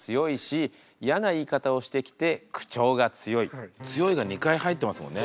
はやとくんは「強い」が２回入ってますもんね。